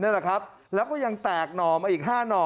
นี่แหละครับแล้วก็ยังแตกหน่อมาอีก๕หน่อ